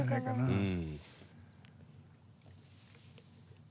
うん。